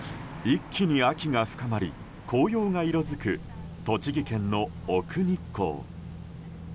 一気に秋が深まり紅葉が色づく栃木県の奥日光。